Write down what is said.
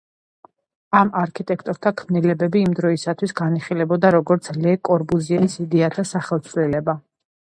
ამ არქიტექტორთა ქმნილებები იმ დროისთვის განიხილებოდა როგორც ლე კორბუზიეს იდეათა სახეცვლილება.